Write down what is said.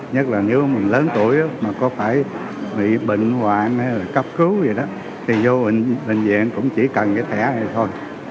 nhất là nếu mình lớn tuổi mà có phải bị bệnh hoạn hay là cấp cứu gì đó thì vô bệnh viện cũng chỉ cần thẻ này thôi